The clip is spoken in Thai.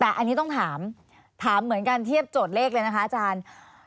แต่อันนี้ต้องถามถามเหมือนกันเทียบโจทย์เลขเลยนะคะอาจารย์